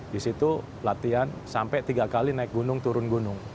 di situ latihan sampai tiga kali naik gunung turun gunung